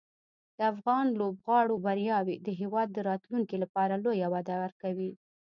د افغان لوبغاړو بریاوې د هېواد د راتلونکي لپاره لویه وده ورکوي.